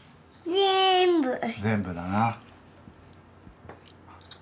全部だな。